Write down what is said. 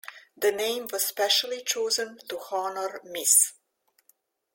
The name was specially chosen to honor Miss.